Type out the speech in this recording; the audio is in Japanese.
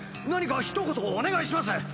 何か一言お願いします